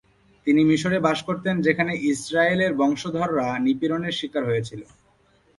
তিনি মিশরে বাস করতেন, সেখানে ইস্রায়েলের বংশধররা নিপীড়নের শিকার হয়েছিল।